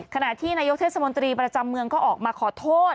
ขณะที่นายกเทศมนตรีประจำเมืองก็ออกมาขอโทษ